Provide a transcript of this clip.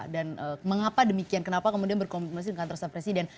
dan mengapa demikian kenapa kemudian berkoordinasi dengan kantor staf presiden